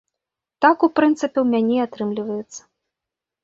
Так, у прынцыпе, у мяне і атрымліваецца.